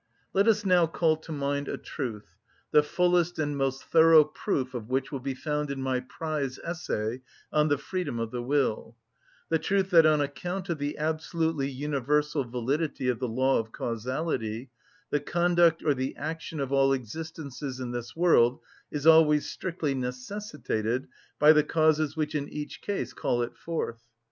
Let us now call to mind a truth, the fullest and most thorough proof of which will be found in my prize essay on the freedom of the will—the truth that on account of the absolutely universal validity of the law of causality, the conduct or the action of all existences in this world is always strictly necessitated by the causes which in each case call it forth.